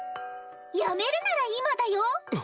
やめるなら今だよ？